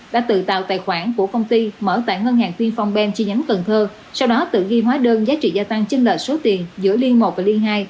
đã tự tạo tài khoản của công ty mở tại ngân hàng tuyên phòng ben chi nhánh cần thơ sau đó tự ghi hóa đơn giá trị gia tăng trên lệ số tiền giữa liên một và liên hai